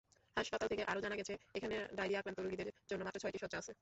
হাসপাতাল থেকে আরও জানা গেছে, এখানে ডায়রিয়া-আক্রান্ত রোগীদের জন্য মাত্র ছয়টি শয্যা আছে।